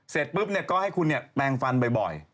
เสร็จปุ๊บก็ให้คุณแมงฟันบ่อย